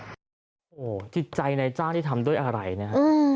โหจิตใจนายจ้างที่ทำด้วยอะไรเนี้ยอืม